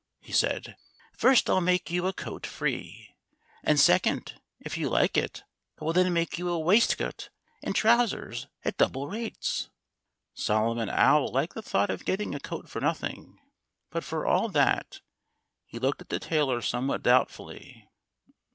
he said. "First, I'll make you a coat free. And second, if you like it I will then make you a waistcoat and trousers, at double rates." Solomon Owl liked the thought of getting a coat for nothing. But for all that, he looked at the tailor somewhat doubtfully.